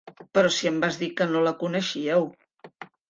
Però si em vas dir que no la coneixíeu.